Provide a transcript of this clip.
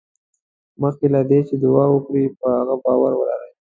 مخکې له دې چې دعا وکړې په هغې باور ولرئ.